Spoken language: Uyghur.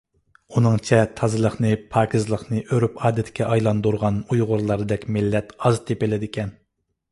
ئۇنىڭچە، تازىلىقنى، پاكىزلىقنى ئۆرپ-ئادەتكە ئايلاندۇرغان ئۇيغۇرلاردەك مىللەت ئاز تېپىلىدىكەن.